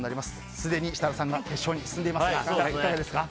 すでに設楽さんが決勝に進んでいますがいかがですか？